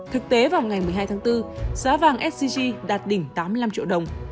thực tế vào ngày một mươi hai tháng bốn giá vàng sgc đạt đỉnh tám mươi năm triệu đồng